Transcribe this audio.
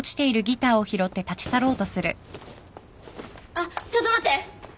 あっちょっと待って！